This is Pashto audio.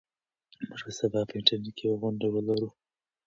موږ به سبا په انټرنيټ کې یوه غونډه ولرو.